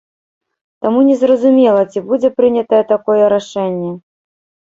Таму не зразумела, ці будзе прынятае такое рашэнне.